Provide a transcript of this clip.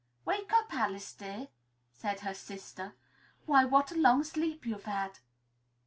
"Wake up, Alice dear!" said her sister. "Why, what a long sleep you've had!"